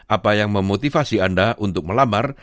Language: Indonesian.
apa yang memotivasi anda untuk melamar